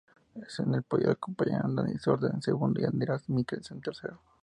En el podio lo acompañaron Dani Sordo, segundo, y Andreas Mikkelsen, tercero.